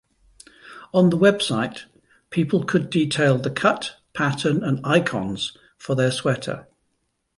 On the website, people could detail the cut, pattern, and icons for their sweater.